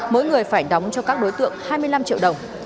mỗi người phải đóng cho các đối tượng hai mươi năm triệu đồng